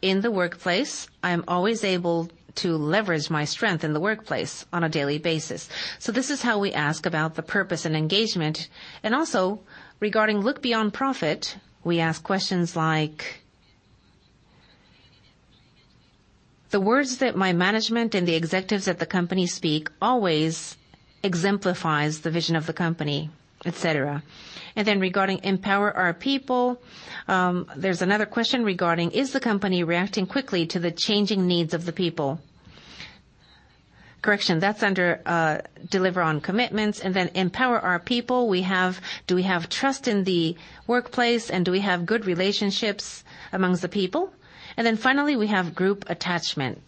in the workplace, I am always able to leverage my strength in the workplace on a daily basis. This is how we ask about the purpose and engagement, also regarding look beyond profit, we ask questions like, "The words that my management and the executives at the company speak always exemplifies the vision of the company," et cetera. Regarding empower our people, there's another question regarding, "Is the company reacting quickly to the changing needs of the people?" Correction, that's under deliver on commitments. Empower our people, we have, "Do we have trust in the workplace, and do we have good relationships amongst the people?" Finally, we have group attachment.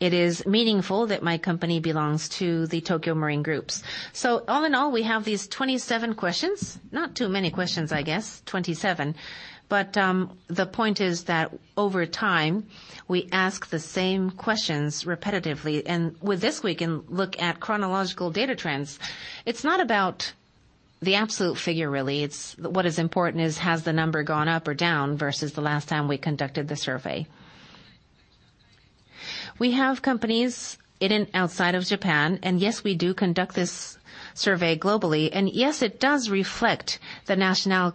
"It is meaningful that my company belongs to the Tokio Marine Group." All in all, we have these 27 questions. Not too many questions, I guess, 27. The point is that over time, we ask the same questions repetitively. With this, we can look at chronological data trends. It's not about the absolute figure, really. What is important is, has the number gone up or down versus the last time we conducted the survey? We have companies in and outside of Japan, yes, we do conduct this survey globally. Yes, it does reflect the national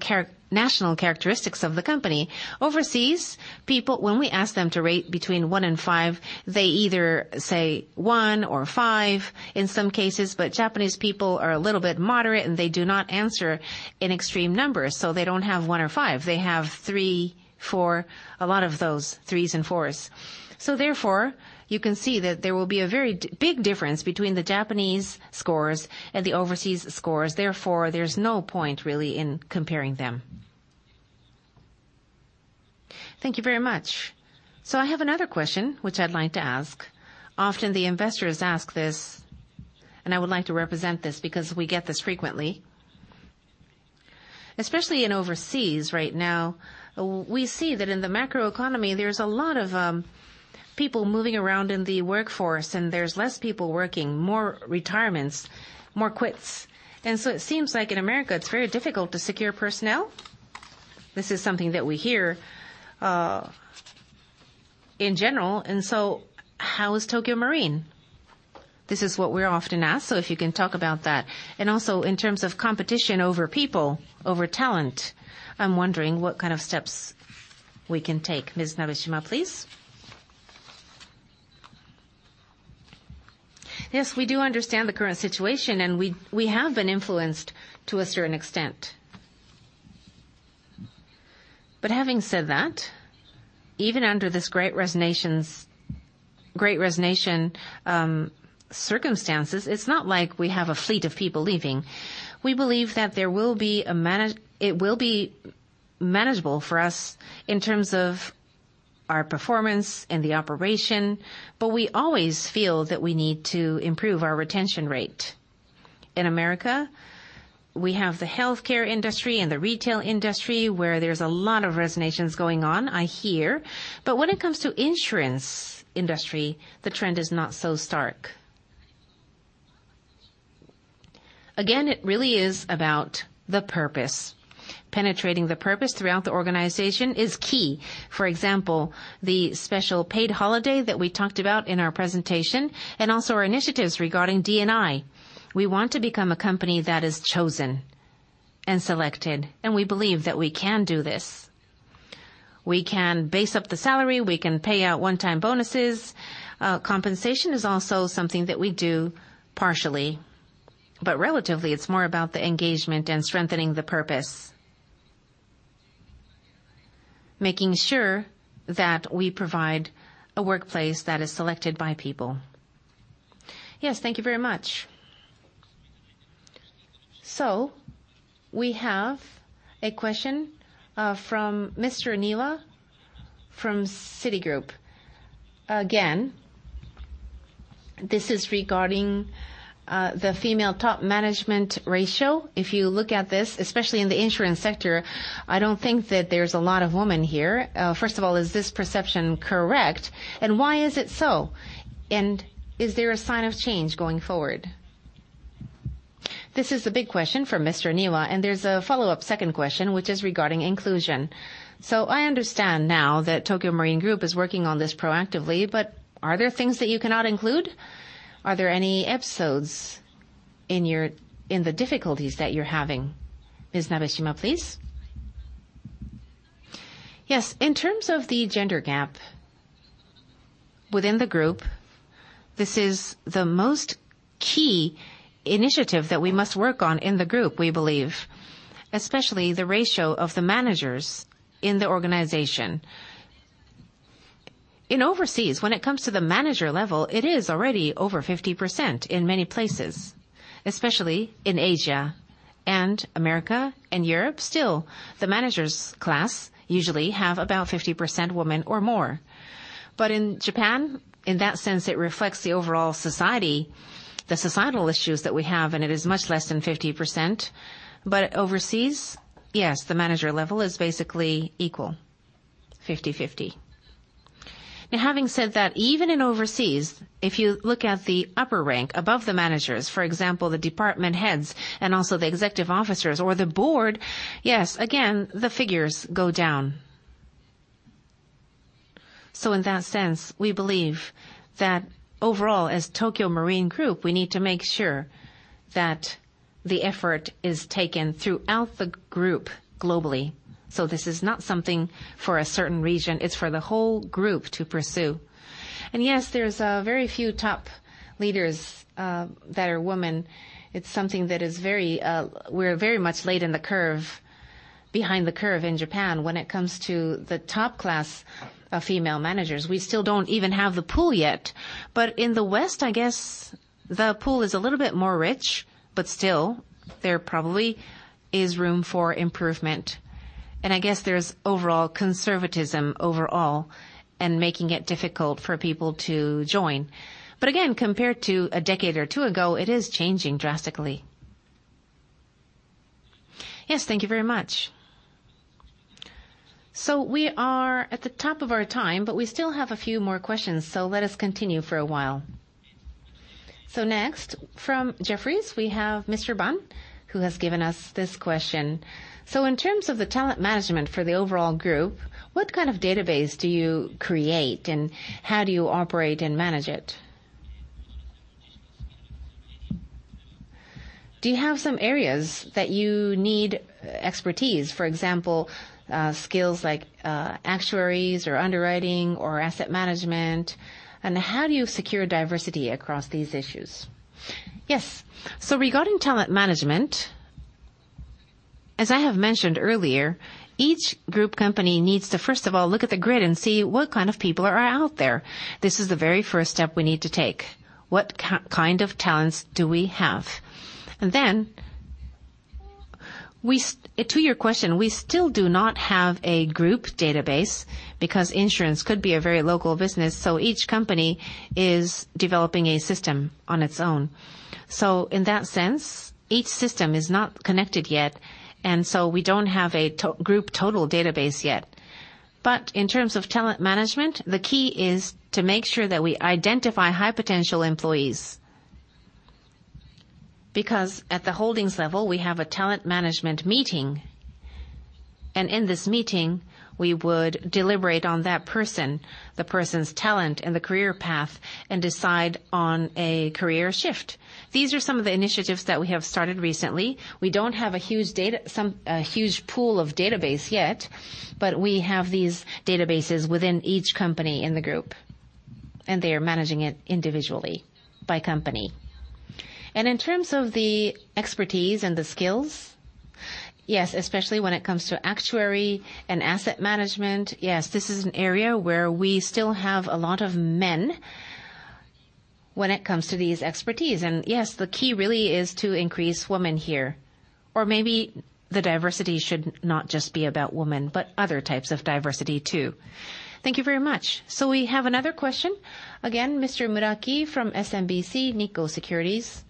characteristics of the company. Overseas, people, when we ask them to rate between one and five, they either say one or five in some cases, Japanese people are a little bit moderate, and they do not answer in extreme numbers. They don't have one or five. They have three, four, a lot of those threes and fours. Therefore, you can see that there will be a very big difference between the Japanese scores and the overseas scores. Therefore, there's no point really in comparing them. Thank you very much. I have another question which I'd like to ask. Often the investors ask this, and I would like to represent this because we get this frequently. Especially in overseas right now, we see that in the macroeconomy, there's a lot of people moving around in the workforce, there's less people working, more retirements, more quits. It seems like in America, it's very difficult to secure personnel. This is something that we hear in general. How is Tokio Marine? This is what we're often asked, so if you can talk about that. Also in terms of competition over people, over talent, I'm wondering what kind of steps we can take. Ms. Nabeshima, please. Yes, we do understand the current situation, we have been influenced to a certain extent. Having said that, even under this Great Resignation circumstances, it's not like we have a fleet of people leaving. We believe that it will be manageable for us in terms of our performance and the operation, we always feel that we need to improve our retention rate. In America, we have the healthcare industry and the retail industry, where there's a lot of resignations going on, I hear. When it comes to insurance industry, the trend is not so stark. Again, it really is about the purpose. Penetrating the purpose throughout the organization is key. For example, the special paid holiday that we talked about in our presentation, also our initiatives regarding D&I. We want to become a company that is chosen and selected, we believe that we can do this. We can base up the salary, we can pay out one-time bonuses. Compensation is also something that we do partially. Relatively, it's more about the engagement and strengthening the purpose, making sure that we provide a workplace that is selected by people. Yes, thank you very much. We have a question from Mr. Niwa from Citigroup. Again, this is regarding the female top management ratio. If you look at this, especially in the insurance sector, I don't think that there's a lot of women here. First of all, is this perception correct, and why is it so? Is there a sign of change going forward? This is the big question from Mr. Niwa. There's a follow-up second question, which is regarding inclusion. I understand now that Tokio Marine Group is working on this proactively, but are there things that you cannot include? Are there any episodes in the difficulties that you're having? Ms. Nabeshima, please. Yes. In terms of the gender gap within the group, this is the most key initiative that we must work on in the group, we believe, especially the ratio of the managers in the organization. In overseas, when it comes to the manager level, it is already over 50% in many places, especially in Asia and America and Europe. Still, the managers class usually have about 50% women or more. In Japan, in that sense, it reflects the overall society, the societal issues that we have, and it is much less than 50%. Overseas, yes, the manager level is basically equal, 50/50. Having said that, even in overseas, if you look at the upper rank above the managers, for example, the department heads and also the executive officers or the board, yes, again, the figures go down. In that sense, we believe that overall as Tokio Marine Group, we need to make sure that the effort is taken throughout the group globally. This is not something for a certain region, it's for the whole group to pursue. Yes, there's very few top leaders that are women. We're very much late behind the curve in Japan when it comes to the top class of female managers. We still don't even have the pool yet. In the West, I guess the pool is a little bit more rich, but still, there probably is room for improvement. I guess there's conservatism overall and making it difficult for people to join. Again, compared to a decade or two ago, it is changing drastically. Yes, thank you very much. We are at the top of our time, but we still have a few more questions, so let us continue for a while. Next, from Jefferies, we have Mr. Ban, who has given us this question. In terms of the talent management for the overall group, what kind of database do you create, and how do you operate and manage it? Do you have some areas that you need expertise, for example, skills like actuaries or underwriting or asset management? How do you secure diversity across these issues? Yes. Regarding talent management, as I have mentioned earlier, each group company needs to, first of all, look at the grid and see what kind of people are out there. This is the very first step we need to take. What kind of talents do we have? To your question, we still do not have a group database because insurance could be a very local business, each company is developing a system on its own. In that sense, each system is not connected yet, we don't have a group total database yet. In terms of talent management, the key is to make sure that we identify high-potential employees. At the holdings level, we have a talent management meeting, and in this meeting, we would deliberate on that person, the person's talent and the career path, and decide on a career shift. These are some of the initiatives that we have started recently. We don't have a huge pool of database yet, but we have these databases within each company in the group, and they are managing it individually by company. In terms of the expertise and the skills, yes, especially when it comes to actuary and asset management, yes, this is an area where we still have a lot of men when it comes to these expertise. Yes, the key really is to increase women here. Maybe the diversity should not just be about women, but other types of diversity, too. Thank you very much. We have another question. Again, Mr. Muraki from SMBC Nikko Securities.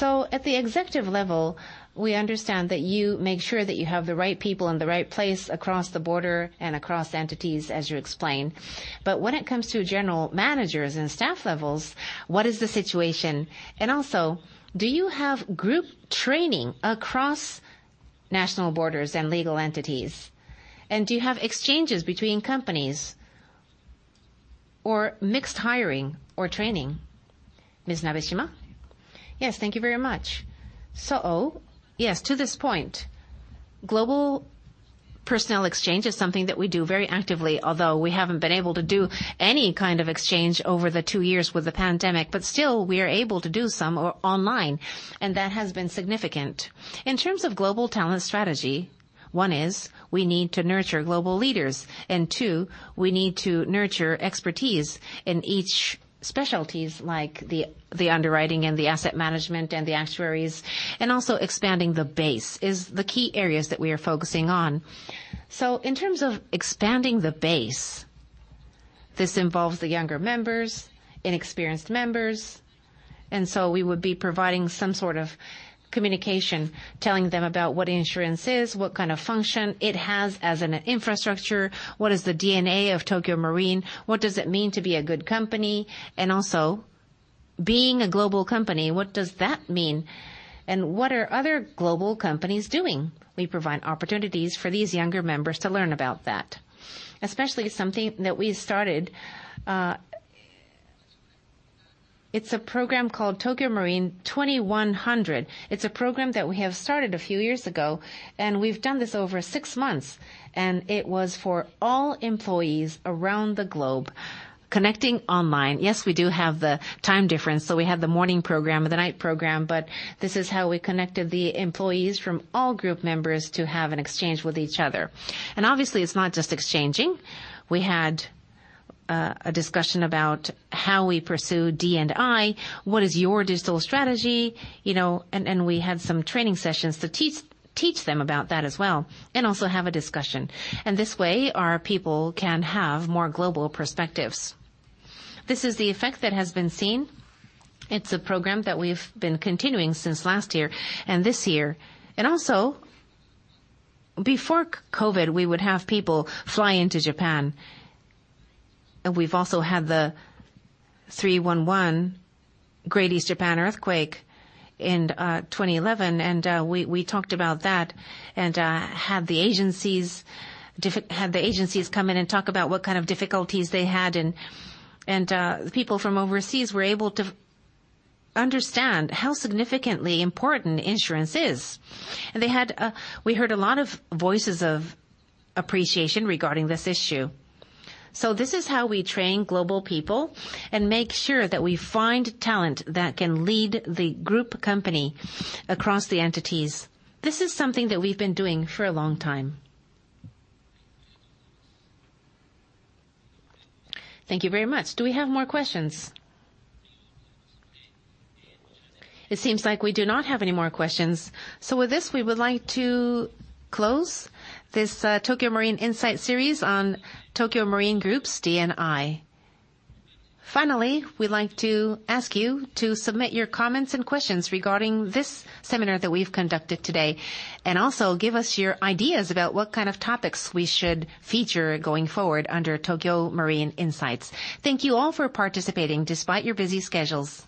At the executive level, we understand that you make sure that you have the right people in the right place across the border and across entities, as you explained. When it comes to general managers and staff levels, what is the situation? Also, do you have group training across national borders and legal entities? Do you have exchanges between companies or mixed hiring or training? Ms. Nabeshima? Yes, thank you very much. Yes, to this point, global personnel exchange is something that we do very actively, although we haven't been able to do any kind of exchange over the two years with the pandemic. Still, we are able to do some online, and that has been significant. In terms of global talent strategy, one is we need to nurture global leaders, and two, we need to nurture expertise in each specialties like the underwriting and the asset management and the actuaries, and also expanding the base is the key areas that we are focusing on. In terms of expanding the base, this involves the younger members, inexperienced members, we would be providing some sort of communication telling them about what insurance is, what kind of function it has as an infrastructure, what is the DNA of Tokio Marine, what does it mean to be a good company, and also being a global company, what does that mean, and what are other global companies doing? We provide opportunities for these younger members to learn about that. Especially something that we started, it's a program called Tokio Marine 2100. It's a program that we have started a few years ago, and we've done this over six months. It was for all employees around the globe connecting online. We do have the time difference, we have the morning program or the night program, this is how we connected the employees from all group members to have an exchange with each other. Obviously, it's not just exchanging. We had a discussion about how we pursue D&I, what is your digital strategy, we had some training sessions to teach them about that as well, also have a discussion. In this way, our people can have more global perspectives. This is the effect that has been seen. It's a program that we've been continuing since last year and this year. Before COVID, we would have people fly into Japan, we've also had the 3.11 Great East Japan earthquake in 2011, we talked about that, had the agencies come in and talk about what kind of difficulties they had, people from overseas were able to understand how significantly important insurance is. We heard a lot of voices of appreciation regarding this issue. This is how we train global people and make sure that we find talent that can lead the group company across the entities. This is something that we've been doing for a long time. Thank you very much. Do we have more questions? It seems like we do not have any more questions. With this, we would like to close this Tokio Marine Insight series on Tokio Marine Group's D&I. Finally, we'd like to ask you to submit your comments and questions regarding this seminar that we've conducted today, also give us your ideas about what kind of topics we should feature going forward under Tokio Marine Insights. Thank you all for participating despite your busy schedules.